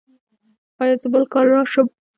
ایا زه بل کال راشم؟